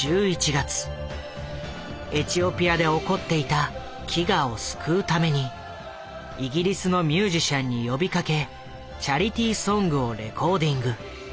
エチオピアで起こっていた飢餓を救うためにイギリスのミュージシャンに呼びかけチャリティーソングをレコーディング。